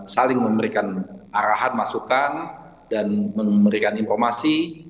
saling memberikan arahan masukan dan memberikan informasi